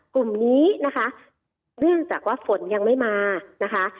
กลุ่มนี้นะคะเนื่องจากว่าฝนยังไม่มานะคะ